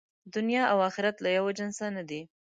دنیا او آخرت له یوه جنسه نه دي.